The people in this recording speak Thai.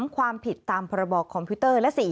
ความผิดตามพรบคอมพิวเตอร์และ๔